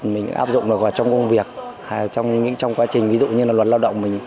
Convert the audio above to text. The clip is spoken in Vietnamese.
mình áp dụng được vào trong công việc trong quá trình ví dụ như luật lao động